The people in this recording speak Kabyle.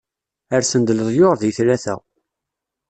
Rsen-d leḍyur di tlata.